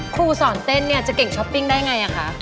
ครูสอนเต้นเนี่ยจะเก่งช้อปปิ้งได้ไงอะคะ